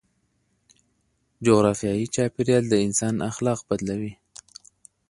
جغرافيايي چاپيريال د انسان اخلاق بدلوي.